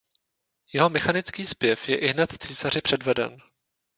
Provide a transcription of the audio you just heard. Jeho mechanický zpěv je ihned císaři předveden.